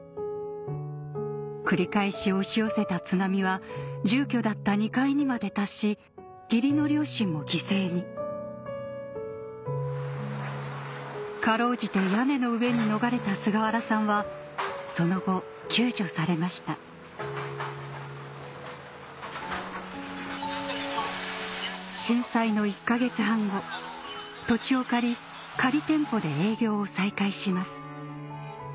繰り返し押し寄せた津波は住居だった２階にまで達し義理の両親も犠牲に辛うじて屋根の上に逃れた菅原さんはその後救助されました震災の１か月半後土地を借り仮店舗で営業を再開します